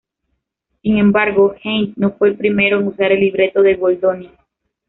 Sin embargo, Haydn no fue el primero en usar el libreto de Goldoni.